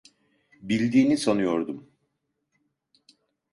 Bildiğini sanıyordum.